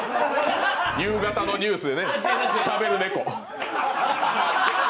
夕方のニュースでしゃべる猫。